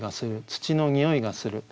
土のにおいがする。